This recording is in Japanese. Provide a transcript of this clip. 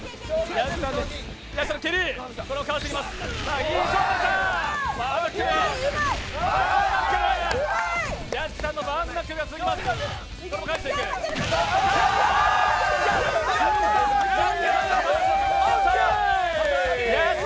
屋敷さんのバーンナックルが続きます。